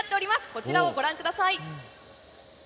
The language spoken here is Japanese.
こちらをご覧ください。